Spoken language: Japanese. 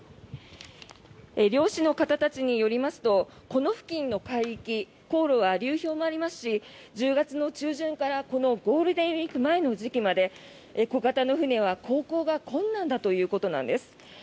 漁師の方たちによりますとこの付近の海域、航路は流氷もありますし１０月中旬からゴールデンウィーク前の時期まで小型の船は航行が困難だということなんです。